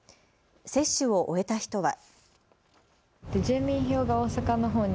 接種を終えた人は。